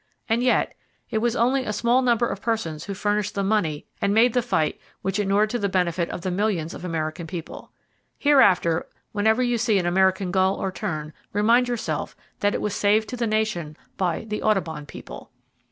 And yet, it was only a small number of persons who furnished the money and made the fight which inured to the benefit of the millions of American people. Hereafter, whenever you see an American gull or tern, remind yourself that it was saved to the nation by "the Audubon people."